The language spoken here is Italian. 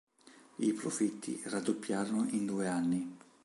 I profitti raddoppiarono in due anni.